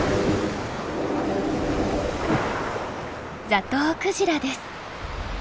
ザトウクジラです。